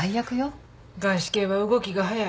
外資系は動きがはやい。